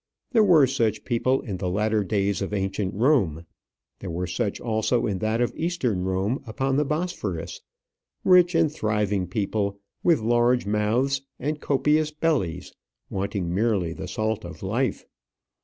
There were such people in the latter days of ancient Rome; there were such also in that of Eastern Rome upon the Bosphorus; rich and thriving people, with large mouths and copious bellies, wanting merely the salt of life.